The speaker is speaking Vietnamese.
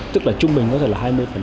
tức là trung bình có thể là hai mươi